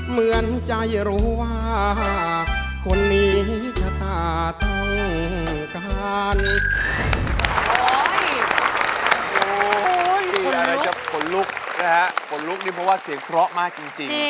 เหมือนใจรู้ว่าคนนี้ชะตาต้องการ